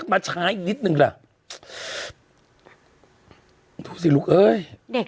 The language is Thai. มาช้าอีกนิดนึงล่ะดูสิลูกเอ้ยเด็ก